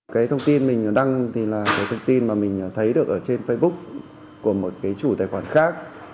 cái thông tin mình đăng thì là cái thông tin mà mình thấy được ở trên facebook của một cái chủ tài khoản khác